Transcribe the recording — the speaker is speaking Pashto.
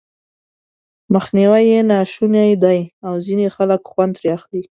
مخنيوی یې ناشونی دی او ځينې خلک خوند ترې اخلي.